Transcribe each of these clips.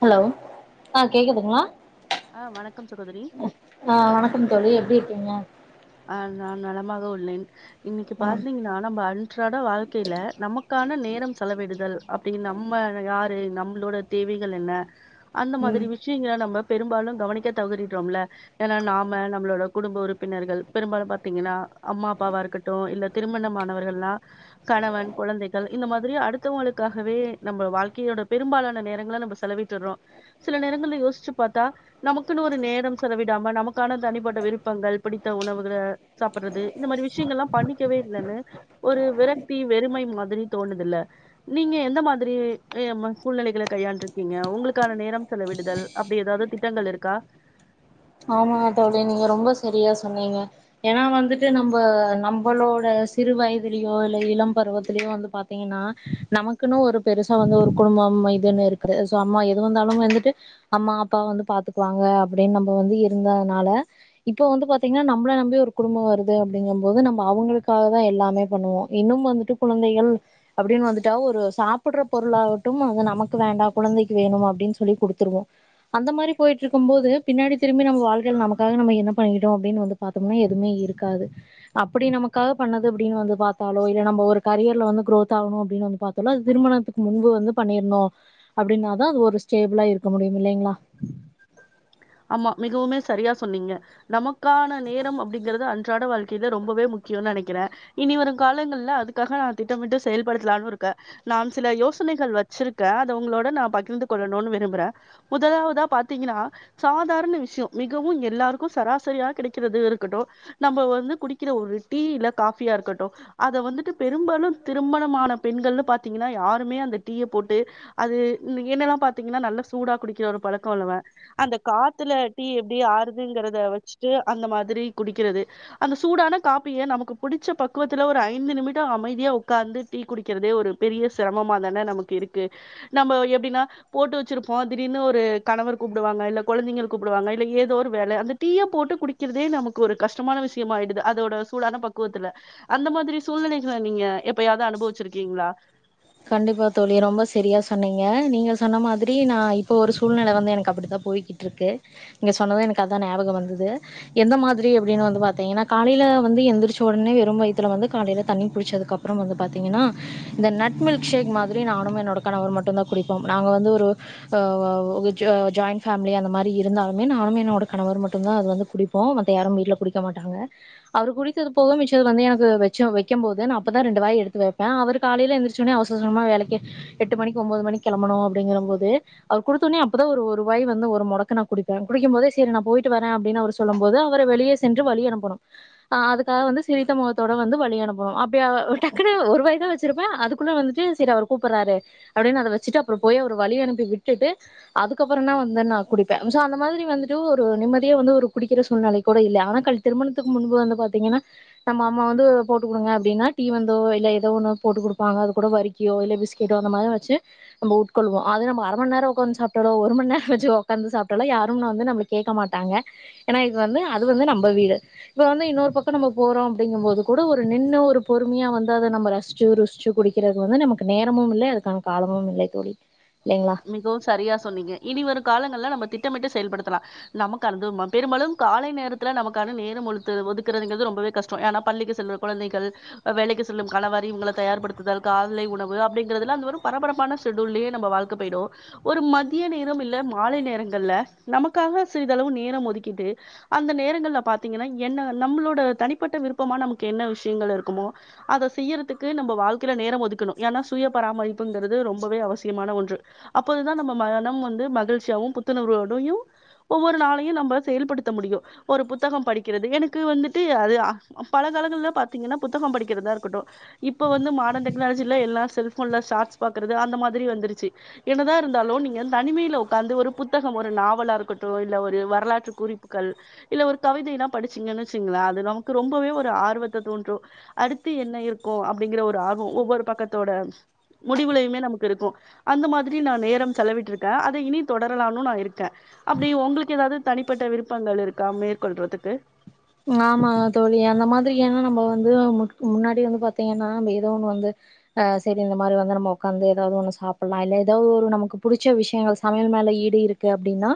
hello ஆ கேக்குதுங்களா ஆ வணக்கம் சகோதரி ஆ வணக்கம் தோழி எப்டி இருக்கீங்க ஆ நான் நலமாக உள்ளேன் இன்னிக்கு ம் பாத்தீங்கன்னா நம்ம அண் ன்றாட வாழ்க்கையில நமக்கான நேரம் செலவிடுதல் அப்டி நம்ம யாரு து நம்மளோட தேவைகள் என்ன அந்த மாதிரி ம் விசயங்கள நம்ம பெரும்பாலும் கவனிக்க தவறிடுறோம்ல ஏனா நாம நம்மளோட குடும்ப உறுப்பினர்கள் பெரும்பாலும் பாத்தீங்கன்னா அம்மா அப்பாவா இருக்கட்டு இல்ல திருமணமானவர்கள்னா கணவன் குழந்தைகள் இந்த மாதிரி அடுத்தவங்களுக்காகவே நம்ம வாழ்க்கையோட பெரும்பாலான நேரங்கள நம்ப செலவிட்டுறோ சில நேரங்கள்ல யோசிச்சு பாத்தா நமக்குன்னு ஒரு நேரம் செலவிடாம நமக்கான தனிப்பட்ட விருப்பங்கள் பிடித்த உணவு இதுல சாப்படுறது இந்த மாரி விசயங்கள்லா பண்ணிக்கவே இல்லன்னு ஒரு விரக்தி வெறுமை மாதிரி தோணுதுல்ல நீங்க எந்த மாதிரி ஆ ம சூழ்நிலைகளை கையாண்டிருக்கீங்க உங்களுக்கான நேரம் செலவிடுதல் அப்டி ஏதாவது திட்டங்கள் இருக்கா ஆமா தோழி நீங்க ரொம்ப செரியா சொன்னீங்க ஏனா வந்துட்டு நம்ப நம்பளோட சிறு வயதுலயோ இல்ல இளம் பருவத்திலயோ வந்து பாத்தீங்கன்னா நமக்குன்னு ஒரு பெருசா வந்து ஒரு குடும்பம் இதுன்னு இருக்கு அம்மா எது வந்தாலு வந்துட்டு அம்மா அப்பா வந்து பாத்துக்குவாங்க அப்டின்னு வந்து இருந்ததுனால இப்போ வந்து பாத்தீங்கன்னா நம்பள நம்பி ஒரு குடும்போ வருது அப்டிங்கும்போது நம்ம அவுங்களுக்காகதா எல்லாமே பண்ணுவோ இன்னும் வந்துட்டு குழந்தைகள் அப்டின்னு வந்துட்டா ஒரு சாப்படுற பொருளா ஆகட்டும் வந்து நமக்கு வேண்டா குழந்தைக்கு வேணும் அப்டின்னு சொல்லி குடுத்துருவோ அந்த மாரி போயிட்ருக்கும் போது பின்னாடி திரும்பி நம்ம வாழ்க்கைல நமக்காக நம்ம என்ன பண்ணிட்டோ அப்டின்னு வந்து பாத்தோம்னா எதுமே இருக்காது அப்டி நமக்காக பண்ணது அப்டின்னு வந்து பாத்தாலோ இல்ல நம்ம ஒரு கரியர்ல வந்து குரோத் ஆகணு அப்டின்னு வந்து பாத்தாலோ அது திருமணத்துக்கு முன்பு வந்து பண்ணிருந்தோ அப்டின்னாதா அது ஒரு ஸ்டேபிளா இருக்க முடியும் இல்லைங்களா ஆமா மிகவுமே சரியா சொன்னீங்க நமக்கான நேரம் அப்டிங்கறது அன்றாட வாழ்க்கையில ரொம்பவே முக்கியம்னு நனக்கிறே இனி வரும் காலங்கள்ல அதுக்காக நா திட்டமிட்டு செயல்படுத்தலானு இருக்கே நான் சில யோசனைகள் வச்சிருக்கே அத உங்களோட நா பகிர்ந்து கொள்ளணுன்னு விரும்புறே முதலாவதா பாத் த்தீங்கன்னா சாதாரண விசயோ மிகவு எல்லாருக்கு சராசரியா கிடைக்கிறது இருக்கட்டு நம்ம வந்து குடிக்கிற ஒரு டீ இல்ல காஃபியா இருக்கட்டு அத வந்துட்டு பெரும்பாலு திருமணமான பெண்கள்னு பாத்தீங்கன்னா யாருமே அந்த டீய போட்டு அது என்ன எல்லா பாத்தீங்கன்னா நல்ல சூடா குடிக்கிற ஒரு பழக்கோ உள்ளவ அந்த காத்துல டீ எப்டி ஆறுதுங்கிறத வச்சுட்டு அந்த மாதிரி குடிக்கிறது அந்த சூடான காப்பிய நமக்கு புடிச்ச பக்குவத்துல ஒரு ஐந்து நிமிடோ அமைதியா உக்காந்து டீ குடிக்கிறதே ஒரு பெரிய சிரமமாதான நமக்கு இருக்கு நம்ம எப்டின்னா போட்டு வச்சிருப்போ திடீர்னு ஒரு கணவர் கூப்டுவாங்க இல்ல கொழந்தைங்கள் கூப்டுவாங்க இல்ல ஏதோ ஒரு வேல அந்த டீய போட்டு குடிக்கிறதே நமக்கு ஒரு கஷ்டமான விசயமா ஆயிடுது அதோட சூடான பக்குவத்துல அந்த மாதிரி சூழ்நிலைகள நீங்க எப்பயாவது அனுபவிச்சிருக்கீங்களா கண்டிப்பா தோழி ரொம்ப செரியா சொன்னீங்க நீங்க சொன்ன மாதிரி நா இப்ப ஒரு சூழ்நில வந்து எனக்கு அப்டித்தா போய்க்கிட்டு இருக்கு நீங்க சொன்னது எனக்கு அதா ஞாபகம் வந்துது எந்த மாதிரி அப்டின்னு வந்து பாத்தீங்கன்னா காலயில வந்து எந்திரிச்ச உடனே வெறும் வயித்துல வந்து காலயில தண்ணி குளிச்சதுக்குப்புறோ வந்து பாத்தீங்கன்னா இந்த நட் மில்க் ஷேக் மாதிரி நானும் என்னோட கணவர் மட்டும்தா குடிப்போம் நாங்க வந்து ஒரு ஆ அ ஒரு ஜா ஜாயின் ஃபேமிலி அந்த மாரி இருந்தாலுமே நானும் என்னோட கணவர் மட்டும்தா அது வந்து குடிப்போ மத்த யாரும் வீட்ல குடிக்க மாட்டாங்க அவரு குடித்தது போக மிச்சது வந்து எனக்கு வச்ச வைக்கும் போது நா அப்பதா ரெண்டு வாய் எடுத்து வைப்பே அவர் காலயில எந்திரிச் வெச்சவுனே அவசர அவசரமா வேலைக்கு எட்டு மணிக்கு ஒம்போது மணிக்கு கெளம்பணு அப்டிங்கறம் போது அவருக் குடுத்த உடனே அப்பதா ஒரு ஒரு வாய் வந்து ஒரு மொடக்கு நா குடிப்பே குடிக்கும் போதே செரி நா போயிட்டு வர அப்டினு அவர் சொல்லும் போது அவர வெளியே சென்று வழி அனுப்பனு ஆ அதுக்காக வந்து சிரித்த முகத்தோட வந்து வழி அனுப்பனு அப்டி அவர டக்குனு ஒரு வாய்தா வச்சிருப்பே அதுக் க்குள்ள வந்துட்டு செரி அவர் கூப்படுறாரே அப்டின்னு அத வச்சிட்டு அப்புற போய் அவர வழி அனுப்பி விட்டுட்டு அதுக்கப்பறந்தா வந்து நா குடிப்பே சோ அந்த மாதிரி வந்துட்டு ஒரு நிம்மதியே வந்து ஒரு குடிக்கிற சூழ்நிலை கூட இல்ல ஆனா கல் திருமணத்துக்கு முன்பு வந்து பாத்தீங்கன்னா நம்ம அம்மா வந்து போட்டு குடுங்க அப்டின்னா டீ வந்தோ இல்ல ஏதோ ஒண்ண போட்டு குடு ப்பாங்க அது கூட வறுக்கியோ இல்ல பிஸ்கெட்டோ அந்த மாதிரி வச்சு நம்ம உட்கொள்வோ அது நம்ம அர மணி நேரோ உக்காந்து சாப்ட்டாலு ஒரு மணி நேரோ வச்சு உக்காந்து சாப்ட்டாலு யாரும் நம்மள வந்து நம்ம கேக்க மாட்டாங்க ஏன்னா இது வந்து அது வந்து நம்ப வீடு இப்ப வந்து இன்னொரு பக்கோ நம்ம போறோ அப்டிங்கும்போது கூட ஒரு நின்னு ஒரு பொறுமையா வந்து அத நம்ம ரசிச்சு ருசிச் ச்சு குடிக்கிறது வந்து நமக்கு நேரமும் இல்ல அதுக்கான காலமும் இல்ல தோழி இல்லைங்களா மிகவும் சரியா சொன்னீங்க இனி வரும் காலங்கள்ல நம்ம திட் திட்டமிட்டு செயல்படுத்தலா நமக்கு அது வந்து ம பெரும்பாலும் காலை நேரத்துல நமக்கான நேரம் ஒதுத்து ஒதுக்குகிறதுங்கறது ரொம்பவே கஷ்டோ ஏன்னா பள்ளிக்கு செல்ற குழந்தைகள் அ வேலைக்கு செல்லும் கணவர் இவங்கள தயார்படுத்துதல் காலை உணவு அப்டிங்கிறதல எல்லோரு பரபரப்பான ஷெட்யூல்லயே நம்ப வாழ்க்கை போயிடு ஒரு மதிய நேரம் இல்ல மாலை நேரங்கள்ல நமக்காக சிறிதளவு நேரம் ஒதுக்கிட்டு அந்த நேரங்கள்ல பாத்தீங்கன்னா என்ன நம்மளோட தனிப்பட்ட விருப்பமா நமக்கு என்ன விசயங்கள் இருக்குமோ அத செய்யறதுக்கு நம்ம வாழ்க்கையில நேரோ ஒதுக்கணும் ஏனா சுய பராமரிப்புங்கறது ரொம்பவே அவசி முக்கியமான ஒன்று அப்போதுதா நம்ம மனம் வந்து மகிழ்ச்சியாவும் புத்துணர்வோடுயு ஒவ்வொரு நாளையு நம்ம செயல்படுத்த முடியு ஒரு புத்தகம் படிக்கிறது எனக்கு வந்துட்டு அதுதா அ பழங்காலங்கள்ல பாத்தீங்கன்னா புத்தகம் படிக்கறதா இருக்கட்டு இப்ப வந்து மாடன் டெக்னாலஜில எல்லா செல்ஃபோன்ல சார்ட்ஸ் பாக்கறது அந்த மா திரி வந்துருச்சி என்னதா இருந்தாலு நீங்க தனிமையில உக்காந்து ஒரு புத்தகம் ஒரு நாவலா இருக்கட்டு இல்ல ஒரு வரலாற்று குறிப்புகள் இல்ல ஒரு கவிதைல்லா படிச்சீங்கன்னு வெச்சிக்கங்களே அது நமக்கு ரொம்பவே ஒரு ஆர்வத்த தூண்று அடுத்து என்ன இருக்கும் அப்டிங்கற ஒரு ஆர்வோ ஒவ்வொரு பக்கத்தோட முடிவுலையுமே நமக்கு க்கு இருக்கும் அந்த மாதிரி நா நேரம் செலவிட்டு இருக்கேன் அத இனி தொடரலாம்னு நா இருக்கே அப்டி உங்களுக்கு ஏதாவது தனிப்பட்ட விருப்பங்கள் இருக்கா மேற்கொள்றதுக்கு ஆமா தோழி அந்த மாதிரி ஏன்னா நம்ம வந்து மு முன்னாடி வந்து பாத்தீங்கன்னா நம்ம ஏதோ ஒண்ணு வந்து ஹா செரி இந்த மாரி வந்து நம்ம உக்காந்து ஏதாவது ஒண்ணு சாப்டலா இல்ல ஏதாவது ஒரு நமக்கு புடிச்ச விசயங்கள் சமையல் மேல ஈடு இருக்கு அப்டின்னா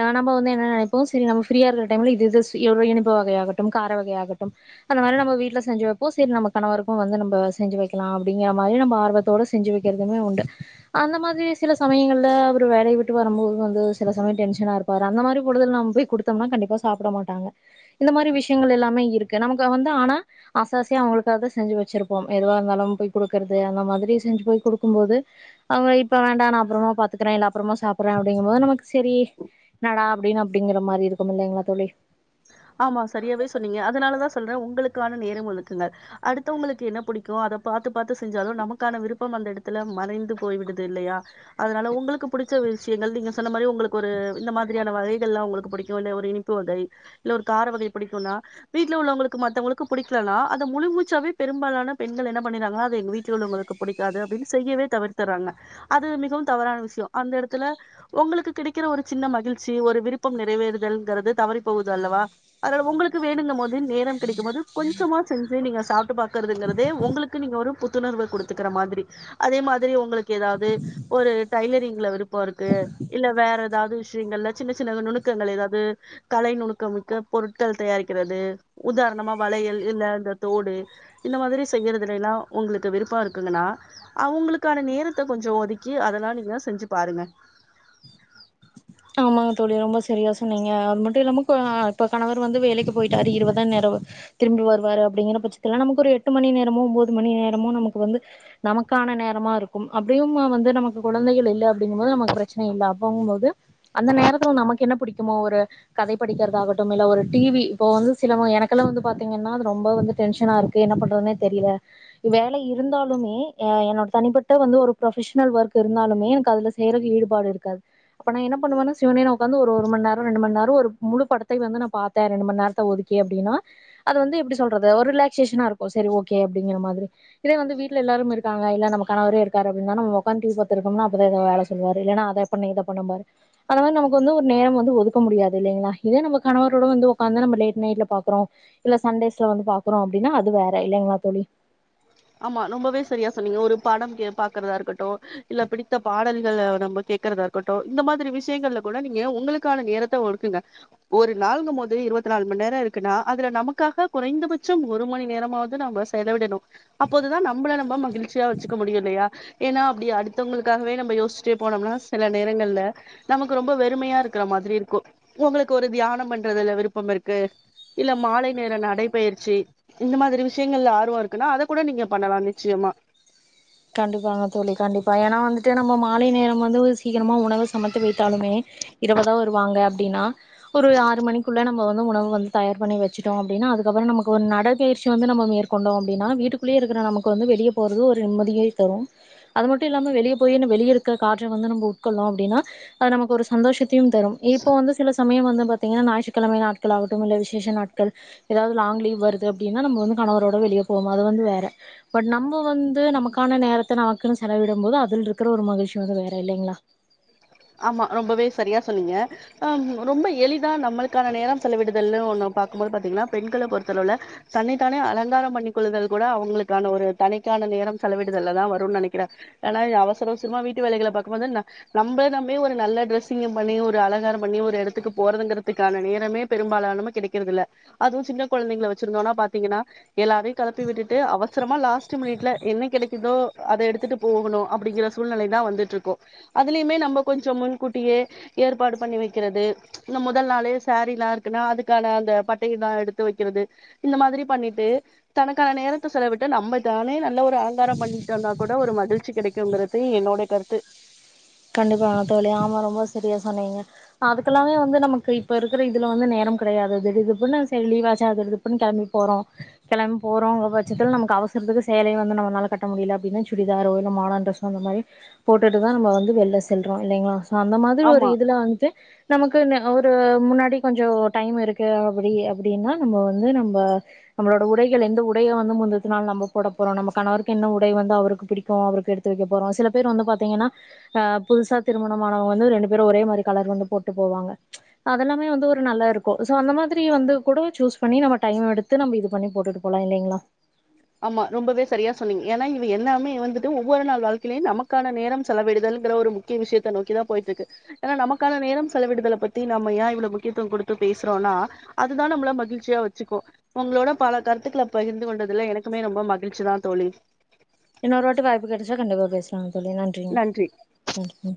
ஆ நம்ம வந்து என்ன நெனப்போ செரி நம்ம ஃப்ரியா இருக்கற டைம்ல இது இது செய்யறோ இனி ப்பு வகையா ஆகட்டும் கார வகையா ஆகட்டும் அந்த மாரி நம்ம வீட்ல செஞ்சு வைப்போ செரி நம்ம கணவருக்கும் வந்து நம்ப செஞ்சு வைக்கலா அப்டிங்கிற மாதிரி நம்ம ஆர்வத்தோட செஞ்சு வைக்கிறதுமே உண்டு அந்த மாதிரி சில சமயங்கள்ல அவரு வேலைய விட்டு வரும் போது வந்து சில சமயம் டென்ஷனா இருப்பாரு அந்த மாரி பொடுதல் நம்ம போய் குடுத்தோம்னா கண்டிப்பா சாப்பட மாட்டாங்க இந்த மாரி விசயங்கள் எல்லாமே இருக்கு நமக்கு வந்து ஆனா ஆச ஆசையா அவுங்களுக்கு அத செஞ்சு வச்சிருப்போம் எதுவா இருந்தாலும் போய் குடுக்குறது அந்த மாதிரி செஞ்சு போய் குடுக்கும் போது அவுங்க இப்ப வேண்டா நா அப்பறமா பாத்துக்கறே இல்ல அப்பறமா சாப்பிடுறே அப்டிங்கும் போது நமக்கு செரி என்னடா அப்டின்னு அப்டிங்கிற மாரி இருக்கும் இல்லைங்களா தோழி ஆமா சரியாவே சொன்னீங்க அதனாலதா சொல்றே உங்களுக்கான நேரம் ஒதுக்குங்கள் அடுத்தவங்களுக்கு என்ன புடிக்கு அத பாத்து பாத்து செஞ்சாலு நமக்கான விருப்பம் அந்த இடத்துல மறைந்து போய் விடுது இல்லையா அதனால உங்களுக்கு பிடிச்ச விசயங்கள் நீங்க சொன்ன மாரி உங்களுக்கு ஒரு இந்த மாதிரியான வகைகள் எல்லாம் உங்களுக்கு பிடிக்கும் இல்ல ஒரு இனிப்பு வகை இல்ல ஒரு கார வகை பிடிக்கும்னா வீட்ல உள்ளவங்களுக்கு மத்தவங்களுக்கு பிடிக்கலனா அத முழு மூச்சாவே பெரும்பாலான பெண்கள் என்ன பண்ணிறாங்கன்னா அது எங்க வீட்ல உள்ளவங்களுக்கு பிடிக்காது அப்டின்னு செய்யவே தவிர்த்தறாங்க அது மிகவும் தவறான விசயம் அந்த இடத்துல உங்களுக்கு கிடைக்கிற ஒரு சின்ன மகிழ்ச்சி ஒரு விருப்பம் நிறைவேறுதல்ங்கறது தவறி போகுது து அல்லவா அதுல உங்களுக்கு வேணுங்க ம்போது நேரம் கிடைக்கும் போது கொஞ்சமா செஞ்சு நீங்க சாப்ட்டு பாக்குறதுங்கறதே உங்களுக்கு நீங்க ஒரு புத்துணர்வு கொடுத்துக்குற மாதிரி அதே மாதிரி உங்களுக்கு ஏதாவது ஒரு டைலரிங்ல விருப்போ இருக்கு இல்ல வேற ஏதாவது விசயங்கள்ல சின்ன சின்ன நுணுக்கங்கள் ஏதாவது கலை நுணு க்கமிக்க பொருட்கள் தயாரிக்கிறது உதாரணமா வளையல் இல்ல இந்த தோடு இந்த மாதிரி செய்யறதுல எல்லா உங்களுக்கு விருப்பம் இருக்குங்கன்னா அவுங்களுக்கான நேரத்தை கொஞ்ச ஒதுக்கி அதெல்லா நீங்க செஞ்சு பாருங்க ஆமாங்க தோழி ரொம்ப ச சரியா சொன்னீங்க அது மட்டும் இல்லாமல் இப்போ கணவர் வந்து வேலைக்கு போயிட்டாார் இரபதுதான் நேரம் திரும்பி வருவாரு அப்படிங்குிற பட்சத்தில் நமக்கு ஒரு எட்டு மணி நேரமோ ஒன்பது மணி நேரமோ நமக்கு வந்து நமக்கான நேரமா இருக்கும் அப்படியும் வந்து நமக்கு குழந்தைகள் இல்லை அப்படிங்கும்போது நமக்கு பிரச்சனை இல்லை அப்போங்கும்போது அந்த நேரத்துல நமக்கு என்ன பிடிக்குமோ ஒரு கதை படிக்கிறதாகட்டும் இல்ல ஒரு டிவி இப்போ வந்து சிலவ எனக்குெல்லாம் வந்து பார்த்தீங்கன்னா அது ரொம்ப வந்து டென்ஷனா இருக்கு என்ன பண்றதுனே தெரியல வேலை இருந்தாலுமே என்னோட தனிப்பட்ட வந்து ஒரு ப்ரொபஷனல் ஒர்க் இருந்தாலுமே எனக்கு அதுல செய்யரதுஈடுபாடு இருக்காது அப்போ ந என்ன பண்ணுவேன்னா சிவனேன்னு உக்காந்து ஒரு மணி நேரம் ரெண்டு மணி நேரம் முழு படத்தை வந்து நான் பார்த்தன் ரெண்டு மணி நேரத்தை ஒதுக்கி அப்படின்னா அது வந்து எப்படில்றது ஒரு ரிலாக்சேஷன இருக்கும் சரிஓகே அப்படிங்க மாதிரி இதே வந்து வீட்ல எல்லாரும் இருக்காங்க இல்ல நம்ம கணவரே இருக்காருஅப்படின்னா நம்ம ஒக்காந்து டிவி பாத்துட்டு ருப்போம்மனா அப்பதேன் வேலை சொல்வாரு ஏன்னா அத பண்ணு இதப் ரு மாரி நம க்குவந்து ஒரு நேரம் வந்து ஒதுக்க முடியாதுலைங்களா இதே நம்ம கணவரோட வந்து ஒக்காந்து லேட் நைட்ல பார்க்குறோம் இல்ல சண்டேஸ்ல வந்து பாக்குறோம் அப்படின்னா அது வேற இல்லைங்களா தோழி ஆமா ரொம்பவே சரியா சொன்னீங்க ஒரு படம் கே பாக்கறதா இருக்கட்டும் இல்ல பிடித்த பாடல்களை நம்ம கேட்கறதா இருக்கட்டும் இந்த மாதிரி விஷயங்கள்ல கூட நீங்க உங்களுக்கான நேரத்தை ஒக்குங்க ஒரு நாள்ங்கு மோது இருபத்தி நாலு மணி நேரம் இருக்குன்னா அதுல நமக்காக குறைந்தபட்சம் ஒரு மணி நேரமாவது நம்ம செலவிடணும் அப்போதுதான் நம்மள நம்ம மகிழ்ச்சியா வச்சுக்க முடியும் இல்லையா ஏன்னா அப்படி அடுத்தவங்களுக்காகவே நம்ம யோசிச்சுிட்டே போனோம்னா சில நேரங்கள்ல நமக்கு ரொம்ப வெறுமையா இருக்கிற மாதிரி இருக்கும் உங்களுக்கு ஒரு தியானம் பண்றதுல விருப்பம் இருக்கு இல்ல மாலை நேர நடைபயிற்சி இந்த மாதிரி விஷயங்கல ஆர்வம் இருக்குன்னா அதை கூட நீங்க பண்ணலாம் நிச்சயமா கண்டிப்பாங்க தோழி கண்டிப்பா ஏன்னா வந்துட்டு நம்ம மாலை நேரம் வந்து சீக்கிரமா உணவு சமைத்து வைத்தாலுமே இரவுதான் வருவாங்க அப்படின்னா ஒரு ஆறு மணிக்குள்ள நம்ம வந்து உணவு வந்து தயார் பண்ணி வச்சுட்டோன அப்படின்னா அதுக்கப்புறம் நமக்கு ஒரு நடபயிற்சி வந்து நம்ம மேற்கொண்டோம் அப்படின்னா வீட்டுக்குள்ளயே இருக்கிற நமக்கு வந்து வெளிய போறது ஒரு தரும் அது மட்டும் இல்லாமல் வெளியே போய் வெளியருக்கற காற்ற வந்து உட்கொண்டோம் அப்படின்னா அது நமக்கு ஒரு சந்தோஷத்தை தின் திரும் இப்ப வந்து சில சமயம் வந்து பாத்தீங்கன்னா ஞாயிற்றுக்கிழமைலநாட்களாகட்டும் விசேஷ நாட்கள் ஏதாவது லாங் லீவ் வருது அப்படின்னா நம்ம கணவரோட வெளியே போகும் போது வேர நம்ம வந்து நமக்கு நமக்கான நேரத்தை நமக்குன்னு செலவிடும் போது அதுல இருக்கிற ஒரு மகிழ்ச்சி வந்து வேற இல்லைங்களா ஆமா ரொம்பவே சரியா சொன்னீங்க ஆஹ் ரொம்ப எளிதா நம்மளுக்கான நேரம் செலவிடுதல்னு ஒன்ன பார்கக்கும்போது பாத்தீங்கன்னா பெண்களை பொறுத்தளவுல தன்னைத்தானே அலங்காரம் பண்ணிக்க கொள்ளுதல் கூட அவங்களுக்கான ஒரு தனக்கான நேரம் செலவிடுதல்லதான் வரும்னு நினைக்கிறேன் ஏன்னா அவசர அவசரமா வீட்டு வேலைகளை பார்க்கும்போது நம்மள நம்மே ஒரு நல்ல டிரெஸ்ஸிங்கும் பண்ணி ஒரு அழங்காரம் பண்ணி ஒரு இடத்துக்கு போறதுங்கிறதுக்கான நேரமே பெரும்பாலானம கிடைக்கறதில்ல அதுவும் சின்ன குழந்தைங்களை வச்சிருந்தோம்னா பாத்தீங்கன்னா எல்லாரையும் கிளப்பி விட்டுட்டு அவசரமா லாஸ்ட் மினிட்ல என்ன கிடைக்குதோ அதை எடுத்துட்டு போகணும் அப்படிங்கிற சூழ்நிலை தான் வந்துட்டு இருக்கோம் அதுலயுமே நம்ம கொஞ்சம் முன்கூட்டியே ஏற்பாடு பண்ணி வைக்கிறது ச் இந்த முதல் நாள சாரீல்லாம் இருக்குன்னா அதுக்கான அந்த பட்டையல்லாம் எடுத்து வைக்கிறது இந்த மாதிரி பண்ணிட்டு தனக்கான நேரத்தை செலவிட்டு நம்ம தானே நல்ல ஒரு அலங்காரம் பண்ணிிட்டோன் நான் கூ என்ன ஒரு மகிழ்ச்சி கிடைக்குங்கறதே என்னோடைய கருத்து கண்டிப்பா அணத்தவலி ஆமா ரொம்ப சரியா சொன்னீங்க அதுக்கல்லாமே வந்து நமக்கு இப்ப இருக்கிற இதுல வந்து நேரம் கிடையாது திடுதுப்புன்னு சரி லீவ்வாச்சா அது திடுதுப்புன்னு கிளம்பி போறோம் கிளம்பி போறோங்க பட்சத்துல நமக்கு அவசரத்துக்கு சேலையை வந்து நம்மளால கட்ட முடியல அப்படின்னா சுடிதாரோ இல்ல மாடர் டிரெஸ்ஸோ அந்த மாதிரி போட்டுட்டுதான் நம்ம வந்து வெளில செல்றோம் இல்லைய அந்த மாதிரி ஒரு ஆமா இதுல வந்துட்டு நமக்கு ஒரு முன்னாடி கொஞ்சம் டைம் இருக்கு அப்படி அப்படின்னா நம்ம வந்து நம்ம நம்மளோட உடைகள் எந்த உடைய வந்து முந்துனனாள் நம்ம போட போறோம் நம கணவருக்கு என்ன உடை வந்து அவருக்கு பிடிக்கும் அவருக்கு எடுத்து வைக்க போறோம் சில பேர் வந்து பாாரத்தீங்கன்னா ஆஹ் புதுசா திருமணமானவங்க வந்து ரெண்டு பேரும் ஒரே மாதிரி கலர் வந்து போட்டு போவாங்க அதெல்லாமே வந்து ஒரு நல்லா இருக்கும் சோ அந்த மாதிரி வந்து கூட சூஸ் பண்ணி நம்ம டைம் எடுத்து நம்ம இது பண்ணி போட்டுட்டு போலாம் இல்லைங்களா ஆமா ரொம்பவே சரியா சொன்னீங்க ஏன்னா இ என்னாமே வந்துட்டு ஒவ்வொரு நாள் வாழ்க்கையிலயையும் நமக்கான நேரம் செலவிடுதல்ங்கிற ஒரு முக்கிய விஷயத்ததை நோக்கிதான் போயிட்டு இருக்கு ஏன்னா நமக்கான நேரம் செலவிடுதலை பத்தி நம்ம ஏன் இவ்வளவு முக்கியத்தும் கொடுத்து பேசுறோம்னா அதுதான் நம்மள மகிழ்ச்சியா வச்சுக்கோ உங்களோட பல கருத்துக்களை பகிர்ந்து கொண்டதுல எனக்கு மே ரொம்ப மகிழ்ச்சி தான் தோழி இன்னொரு வாட்டி வாய்ப்பு கெடைச்சா கண்டிப்பா பேசலாங் சொல்லி நன்றிங்க நன்றி நன்றி